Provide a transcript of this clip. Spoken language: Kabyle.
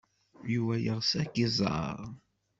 Yuba yeɣs ad k-iẓer.